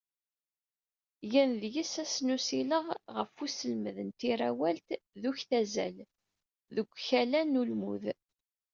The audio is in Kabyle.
Gan deg-s ass n usileɣ ɣef uselmed n tirawalt d uktazal deg ukala n ulmud.